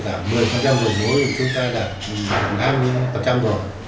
thì chúng ta đặt khoảng hai mươi năm rồi